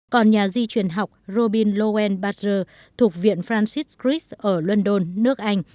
còn nhà di chuyển học robin lowenberger thuộc viện francis cris ở london nước anh